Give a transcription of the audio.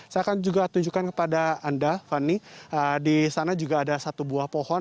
saya akan juga tunjukkan kepada anda fani di sana juga ada satu buah pohon